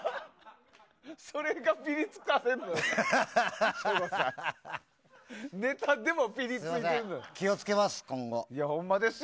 それがぴりつかせんのよ。